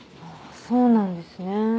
そうなんですね。